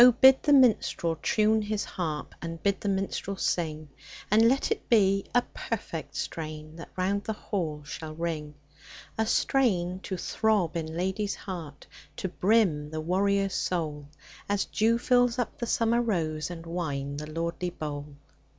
BID the minstrel tune his haxp, And bid the minstrel sing; And let it be a perfect strain That round the hall shall ring : A strain to throb in lad/s heart, To brim the warrior's soul. As dew fills up the summer rose And wine the lordly bowl